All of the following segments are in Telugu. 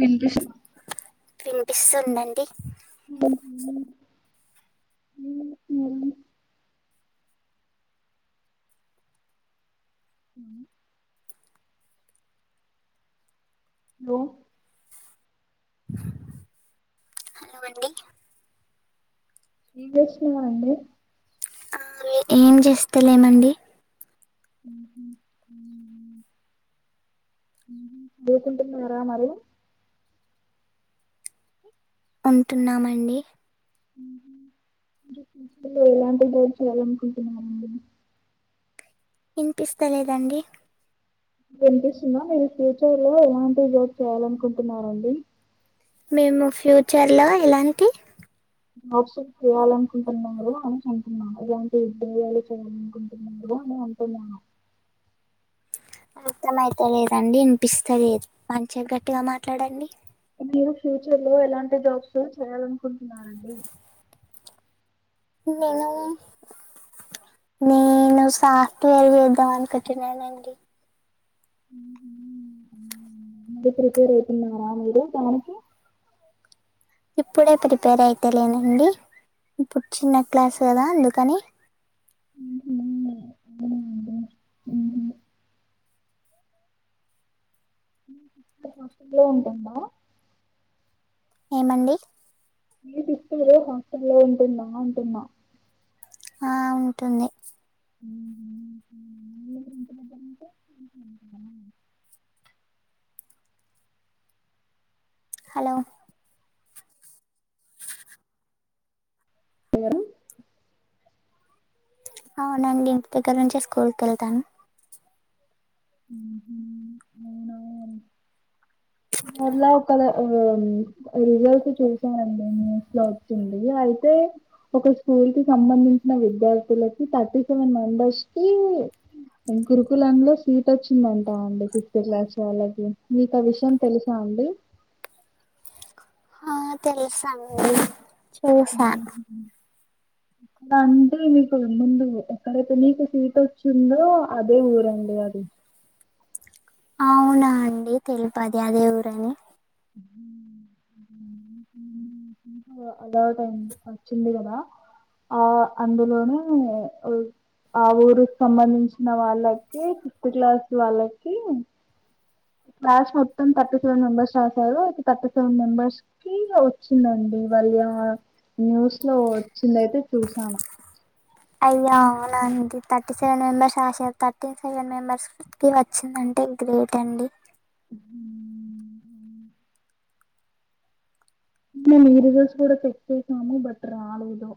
విష విిస్తుందండి అ హలో లో అండి మీకోసమే అండి ఏం చేస్తాలేమండి హుహు అవునా కుంటున్నారా మరి ఉంటున్నామండి ఎలాంటి గోల్ చేయాలనుకుంటున్నారండి ఇనిపిస్తలేదండి వినిపిస్తుంద మీరు ఫ్యూచర్ లో ఎలాంటి గోల్ చేయాలనుకుంటున్నారండి మేము ఫ్యూచర్లో ఎలాంటి జాబ్స్ చేయాలనుకుంటున్నారు అంటున్న అనుకుంటున్నారు ఎలాంటి ఉద్యోగాలు చేయాలనుకుంటున్నారు అంటున్న అర్థం అయితే లేదండి వినిపిస్త లేదు మంచిది గట్టిగా మాట్లాడండి మీరు ఫ్యూచర్ లో ఎలాంటి జాబ్స్ చేయాలనుకుంటున్నారండి ఎలాగా నేను సాఫ్ట్వేర్ చేద్దాం అనుకుంటున్నానండి మరీ ప్రిపేర్ అవుతున్నారా మీరు దానికి ఇప్పుడే ప్రిపేర్ అయితేలేనండి ఇప్పుడు చిన్న క్లాస్ కదా అందుకని హుహు. అవునండి. హుహు. లో ఉంటుందా ఏమండి ఫిఫ్త్ లో హాస్టలో ఉంటుందా అంటున్న ఆ ఉంటుంది [unintelligible] హలో ఎవరు అవువు అండి ఇక్కడి నుంచే స్కూల్ కి వెళ్తాను అవునా మళ్ళ ఒక రిలేటివ్ చూశానండి న్యూస్ లో వచ్చింది అయితే ఒక స్కూల్ కి సంబంధించిన విద్యార్థులకి థర్టీ సెవెన్ మెంబర్స్ కి గురుకుల లో సీట్ వచ్చిందంటా అండి ఫిఫ్త్ క్లాస్లో వాళ్ళకి మీకా విషయం తెలుసా అండి ఆ తెలుసండి చూసా [inaudible] అ అంటే మీకు ముందు ఎక్కడైతే నీకు సీట్ వచ్చిందో అదే ఊరండి అది [inaudible] అవునా అండి తెలిపది అదే ఊరని [unintelligible] ఆ డౌట్ అండి వచ్చింది కదా ఆ అందులోనే ఆ ఊరుకి సంబంధించిన వాళ్ళకి ఫిఫ్త్ క్లాస్ వాళ్ళకి క్లాస్ మొత్తం థర్టీ సెవెన్ మెంబర్స్ రాశారు అయితే థర్టీ సెవెన్ మెంబర్స్ కి వచ్చిందండి వాళ్ళ న్యూస్ లో వచ్చిందయితే చూసాను అయ్యా అవున అండి థర్టీ సెవెన్ మెంబెర్స్ రాశారు థర్టీ సెవెన్ మెంబర్స్ కి వచ్చిందండి అంటే గ్రేట్ అండి మీ రిజల్స్ కూడా పెట్టేసాము బట్ రాలేదు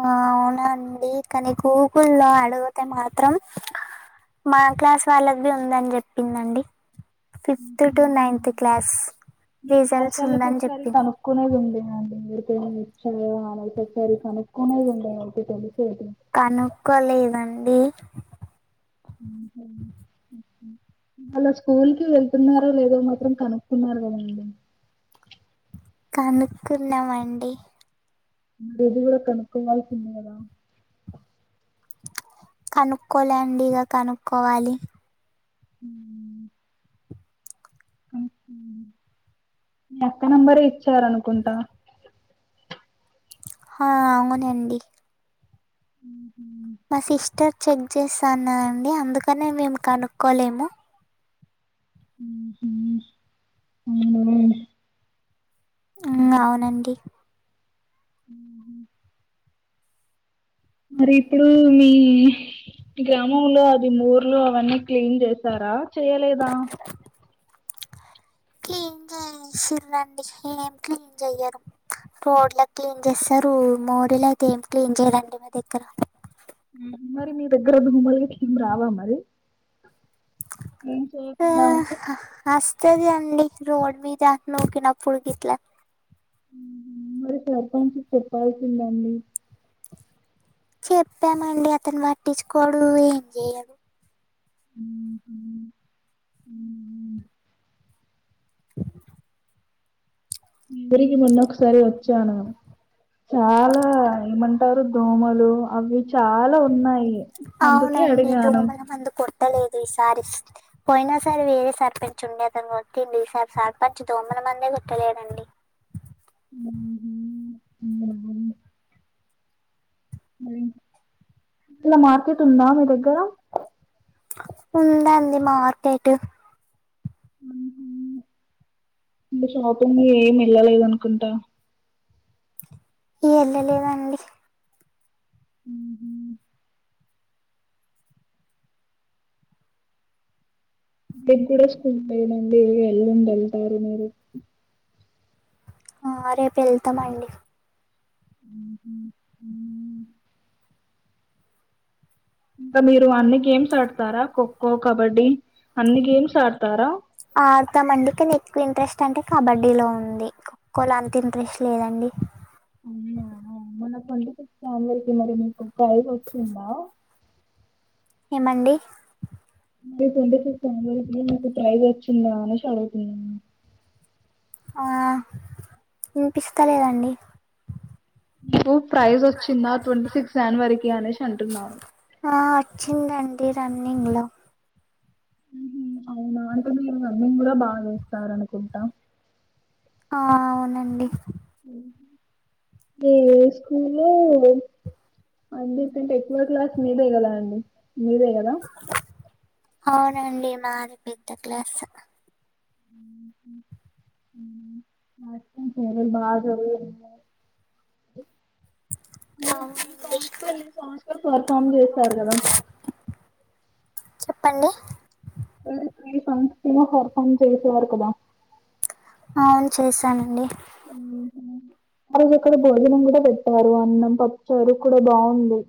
ఆ అవునండి కానీ గూగుల్లో అడిగితే మాత్రం మా క్లాస్ వాళ్ళది ఉందని చెప్పిందండి ఫిఫ్త్ టు నైన్త్ క్లాస్ మీ క్లాస్ రిజల్ట్స్ వాళ్ళకి ఉందని ఒకసారి చెప్పింది కనుక్కునేదిండి కనుక్కునేది ఉండే ఒకసారి కనుక్కోలేదండి అలా స్కూల్ కి వెళ్తున్నారో లేదో మాత్రం కనుక్కున్నారు [unintelligible] కనుక్కున్నామండి మరి ఇది గూడా కనుకోవాల్సింది గదా కనుక్కోలే అండి ఇగ కనుక్కోవాలి ఉమ్ మీ అక్క నెంబరే ఇచ్చారనుకుంటా హా అవునండి ఉమ్ మా సిస్టర్ చెక్ జేసానా అండి అందుకనే మేము కనుక్కోలేము ఉమ్ హూ అవునండి మరి ఇప్పుడు మీ గ్రామంలో అది ఊర్లో అవన్నీ క్లీన్ చేసారా చేయలేదా క్లీన్ జే చేసిరండి ఏం క్లీన్ జేయరు రోడ్ల క్లీన్ చేస్తారు మోరి అయితే ఏం క్లీన్ జేయరండి మా దగ్గర మరి మీ దగ్గర దోమలు గిట్ల ఏమ్ రావా మరి ఏం ఆ చేయకుండా ఉంటే అస్ తది అండి రోడ్ మీద నూకి నపుడు గిట్లా ఉమ్ హూ మరి సర్పంచ్ కి చెప్పాల్సిదండి చెప్పామండి అతను పట్టించుకోడు ఏం జేయడు ఉమ్ హూ [inaudible] మీ ఊరికి మొన్న ఒకసారి వచ్చాను చాలా ఏమం టారు దోమలు అవి చాలా ఉన్నాయి అందుకే అవునండి అడిగాను దోమల మందు కొ ట్టలేదు ఈసారి పోయినా సారి వేరే సర్పంచ్ ఉండే అతను కొట్టిండు ఈసారి సర్పంచ్ దోమల మందే గొట్టలేదండి [inaudible] ఊర్ల మార్కెట్ ఉందా మీ దగ్గర ఉందండి మార్కెట్ ఉమ్ హూ ఇంగ షాపింగ్ ఏమ్ వెళ్ళలేదు అనుకుంటా ఇగ యేళ్ళ లేదండి ఉమ్ హూ ఇప్పుడే స్కూల్కి పోయినం మీరు యెల్లుండి యెళ్తారు మీరు ఆ రేపు యెళ్తామ అండి ఉమ్ హూ ఇంగా మీరు అన్ని గేమ్స్ ఆడతారా ఖోఖో కబడ్డీ అన్ని గేమ్స్ ఆడతారా ఆడతాం అండి కానీ ఎక్కువ ఇంట్రెస్ట్ అంటే కబడ్డీ లో ఉంది ఖోఖో లో అంత ఇంట్రెస్ట్ లేదండి [inaudible] అవునా మొన్న ట్వంటీ సిక్స్ జనవరికిి మరి మీకు ప్రైజ్ వచ్చిందా ఏమండి ట్వంటీ సిక్స్ జనవరికిి మీకు ప్రైజ్ వచ్చిందా అనేసి అడుగుతున్నా ఆ వినిపిస్తలేదండి ప్రైజ్ వచ్చిందా ట్వంటీ సిక్స్ జనవరికి అనేసి అంటున్నారు టే రన్నింగ్ లో ఉమ్ హూ అవునా అంటే మీరు రన్నింగ్ గూడా బాగా జేస్తారనుకుంటా ఆ అవునండి ఏ స్కూలు అందరికంటే ఎక్కువ క్లాస్ మీదే కదా అండి మీరే కదా అవునండి మాదే పెద్ద క్లాస్ ఉహూ ఉమ్ [unintelligible] బాగా జరిగేది ఇంకా మీరు త్రీ అవునండి సాంగ్స్ కో ఎన్ని సాంగ్స్ కో పర్ఫార్మ్ చేస్తారు కదా చెప్పండి [unintelligible] పర్ఫార్మ్ చేసే వారు కదా అవును చేశానండి ఉహూ ఆ రోజు అక్కడ భోజనం కూడా పెట్టారు అన్నం పప్పుచారు కూడా బాగుంది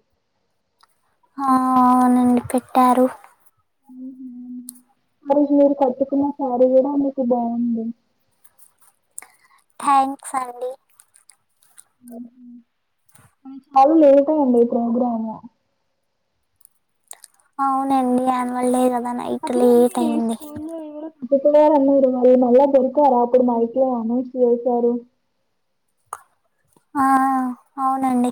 ఆ ఆ నండి పెట్టారు ఉహూ ఉమ్ మరి మీరు కట్టుకున్న సారి కూడా అందుకు బాగుంది థ్యాంక్స్ అండి ఉహూ చాలా లేట్ అయింది ప్రోగ్రాము అవునండి యాన్వల్ డే కదా నైట్ అయితే మీ లేట్ అయింది స్కూల్లో [unintelligible] అన్నారు మళ్ళీ మళ్ళా దొరికారా అప్పుడు మైక్ లో అనౌన్స్ చేశారు ఆ అవునండి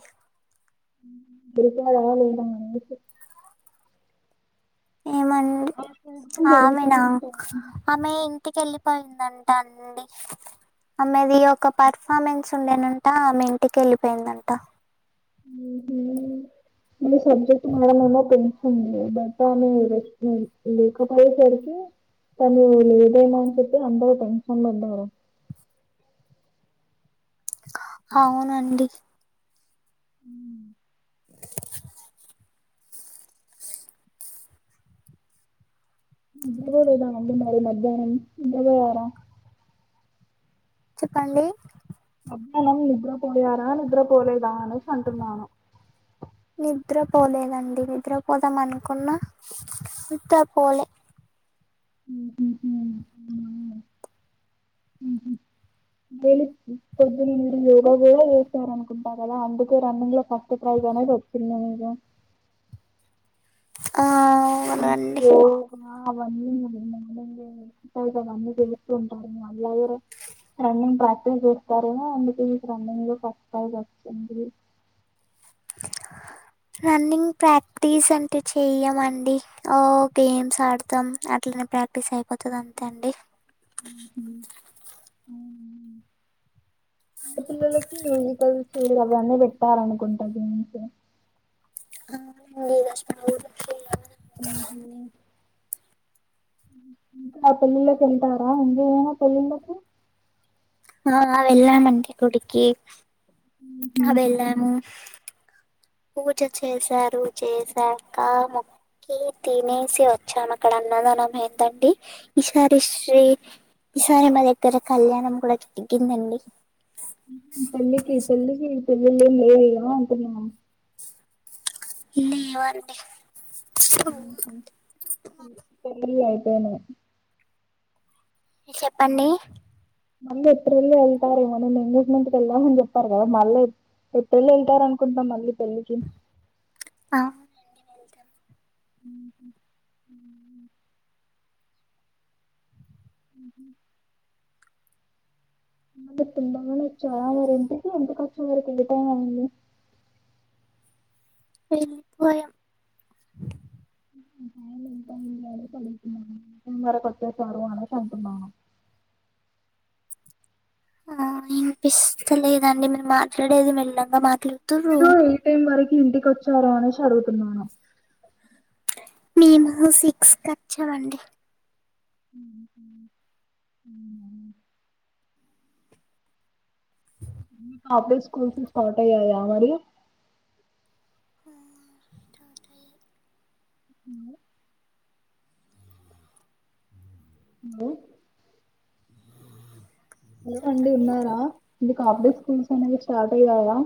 దొరికారా లేదా అనేసి ఏమండి ఆ ప్రోగ్రాం ఆమెనా జరుగుతున్న టైం ఆమె ఇంటికెళ్ళి పోయిందంట అండి ఆమెది ఒక పర్ఫార్మెన్స్ ఉండేనంట ఆమె ఇంటికి వెళ్ళిపోయిందంట ఉహూ ఉమ్ సబ్జెక్ట్ మేడం ఏమో పిల్చింది బట్ ఆమె లేఖపోయే సరికి తను లేదేమో అని చెప్పి అందరూ టెన్షన్ పడ్డారు అవునండి ఇప్పుడు కూడా ఏదైనా ఉంది మరి మధ్యానం నిద్రపోయారా చెప్పండి మధ్యానం నిద్రపోయారా నిద్రపోలేదా అనేసి అంటున్నాను నిద్రపోలేదండి నిద్రపోదాం అనుకున్న నిద్రపోలే ఉహుహు ఉమ్ ఉహూ డైలీ పొద్దున మీరు యోగా కూడా చేస్తారనుకుంటా కదా అందుకే రన్నింగ్ లో ఫస్ట్ ప్రైజ్ అనేది వచ్చింది మీకు ఆ అంటే అవునండి ఓ ఆ అవన్నీ [unintelligible] అన్ని చేస్తూ ఉంటారు మళ్ళ కూడా రన్నింగ్ ప్రాక్టీస్ చేస్తారేమో అందుకే మీకు రన్నింగ్ లో ఫస్ట్ ప్రైజ్ వచ్చింది రన్నింగ్ ప్రాక్టీస్ అంటే చెయ్యమండి ఓ గేమ్స్ ఆడతాం అట్లా అట్లా ప్రాక్టీస్ అయిపోతది అంతే అండి ఊహూ అవునా [unintelligible] చూడు కదన్ని పెట్టాలనుకుంటది ఆ [unintelligible] ఊహూ ఇంకా పెళ్ళిళ్ళకి వెళ్తారా ఇంకా ఏమైనా పెళ్ళిళ్ళకి ఆ వెల్లము అండి కుడికి ఊహూ. వెల్లము పూజ చేశారు చేసాఅక్క కీ తినేసి వచ్చాం అక్కడ అన్నదనం ఏందండి ఇషారి శ్రీ ఈసారి మా దగ్గర కళ్యాణం కూడా జరిగిందండి ఇప్పుడు మీకుఇ పెళ్ళికి పెళ్ళి ఏం లేవు అంటున్న లేవండి సు ఊహూ. అవునా ఇ చెప్పండి మళ్ళీ ఇప్పుడు వెళ్ళి వెళ్తారేమో అని ఎంగేజ్మెంట్ కి వెళ్ళాలి అని చెప్పారు కదా మళ్ళీ ఎ పెళ్ళి వెళ్తారు అనుకుంటాం మళ్ళీ పెళ్ళికి అండి మరోజియాన్ ఊమ్ మ్మ్ ఉమ్మ్ అందరు తినగానే వచ్చారు అండి ఇంటికి [unintelligible] అండి వెళ్ళిపోయాం [inaudible] టైం వరకు వచ్చసారు అనేసి అంటున్న ఆ ఇనిపిస్తలేదండి మీరు మాట్లాడేది మేల్లంగా మాట్లాడు మీరు ఎయి టైమ్ వరకు ఇంటికి వచ్చార అనెసి అడుగుతున్నాను మేము సిక్స్ కచ్చమండి ఊమ్మ్ మ్మ్ అఫైడే స్కూల్ స్టార్ట్ అయ్యాయా మరి ఆ ఏందీ హలో అండి చెప్పండి ఉన్నారా మీకు ఆఫ్ డే స్కూల్స్ అనేవి స్టార్ట్ అయ్యాయా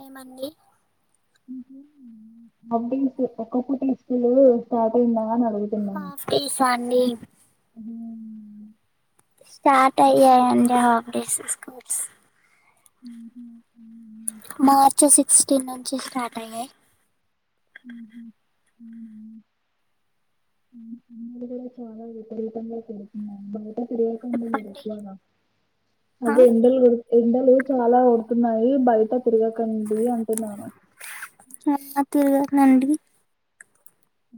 ఏమండి అ ఒక్కపూటటీస్కూల్ అయింద అంటూ హాఫ్ డేసా అండి [unintelligible] ఉమ్మ్ స్టార్ట్ అయ్యాయండి ఆఫ్ డే స్కూల్స్ ఉమ్మ్ మ్మ్ మార్చ్ సిక్స్టీన్ నుంచి స్టార్ట్ అయ్యాయి ఊఉయ్ అది కూడా చాలా విపరీతంగా చెడుతున్నా బయట చెప్పండి [unintelligible] ఆ అదే ఎండలు పెరిగితే ఎండలు చాలా కొడుతున్నాయి బయట తిరగకండి అంటున్నాను తిరగమండి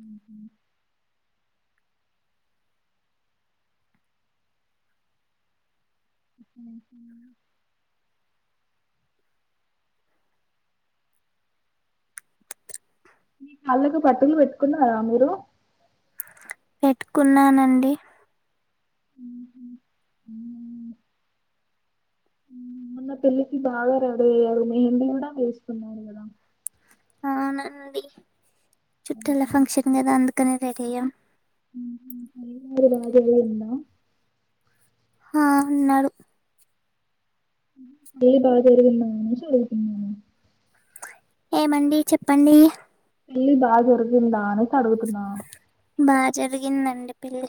ఉమ్ ఉమ్మ్ మీ కాళ్ళకు పాటీలు పెట్టుకున్నారా మీరు పెట్టుకున్నానండి ఉహుం. మరి పెళ్ళికి బాగా రెడీ అయ్యారా మీరు కూడా వేసుకున్నారు కదా అవునండి చుట్టూల ఫంక్షన్ కదా అందుకనే రెడీ అయ్యాం [unintelligible] ఉందా ఆ అన్నాడు [inaudible] ఏమండి చెప్పండి పెళ్లి బాగా జరిగిందా అనేసి అడుగుతున్నా తరిగిందండి పిల్లి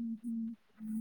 ఉహ ఉమ్